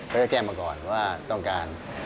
ก็จะแจ้งมาก่อนว่าต้องการ